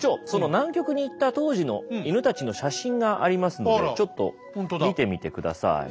その南極に行った当時の犬たちの写真がありますのでちょっと見てみて下さい。